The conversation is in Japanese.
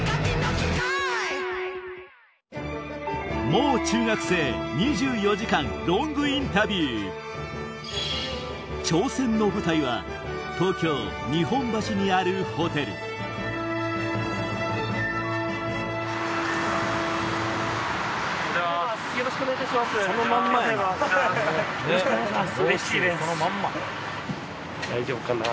もう中学生２４時間ロングインタビュー挑戦の舞台は東京・日本橋にあるそのまんまやな。